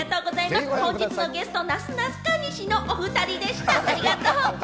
本日のゲスト、なすなかにしのお２人でした。